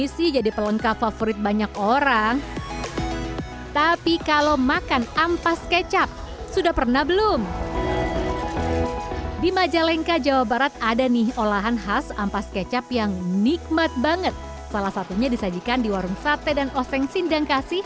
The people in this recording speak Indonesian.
sampai jumpa di video selanjutnya